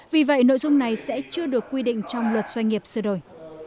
vì vậy nội dung này sẽ chưa được quy định trong luật xoay nghiệp xưa đổi